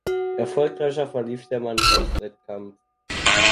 Erfolgreicher verlief der Mannschaftswettkampf.